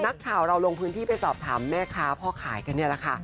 นักข่าวเราลงพื้นที่ไปสอบถามแม่ค้าพ่อขายกันนี่แหละค่ะ